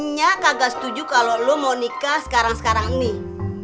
nya kagak setuju kalo lu mau nikah sekarang sekarang nih